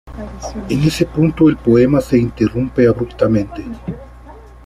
En ese punto el poema se interrumpe abruptamente.